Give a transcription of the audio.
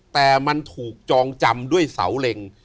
แต่มันถูกจองจำด้วยเสาเล็ง